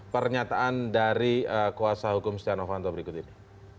pernyataan dari kuasa hukum stenovanto berikut ini